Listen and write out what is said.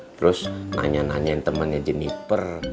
terus nanya nanyain temannya jenniper